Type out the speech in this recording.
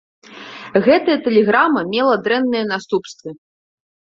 Гэтая тэлеграма мела дрэнныя наступствы.